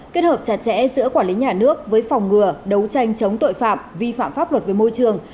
kết hợp chặt chẽ giữa quản lý nhà nước với phòng ngừa đấu tranh chống tội phạm vi phạm pháp luật về môi trường